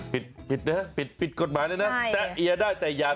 อ๋อปิดนะฮะปิดกฎหมายเลยนะแต๊ะเอียได้แต่อย่าแต๊ะอัง